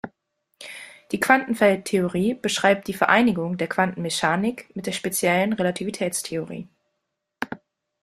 Die Quantenfeldtheorie beschreibt die Vereinigung der Quantenmechanik mit der Speziellen Relativitätstheorie.